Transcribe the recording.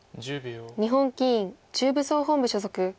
日本棋院中部総本部所属。